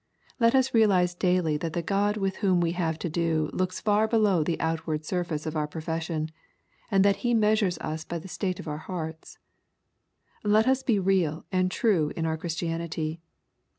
Let us realize daily that the God with whom we have to do, looks far below the outward sur face of our profession, and that He measures us by the state of our hearts. Let us be real and true in our Christianity.